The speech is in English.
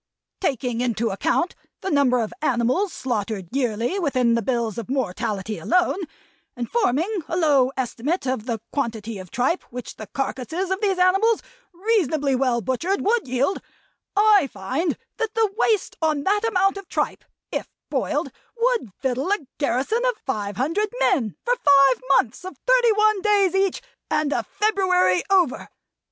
Taking into account the number of animals slaughtered yearly within the bills of mortality alone; and forming a low estimate of the quantity of tripe which the carcases of these animals, reasonably well butchered, would yield I find that the waste on that amount of tripe, if boiled, would victual a garrison of five hundred men for five months of thirty one days each, and a February over.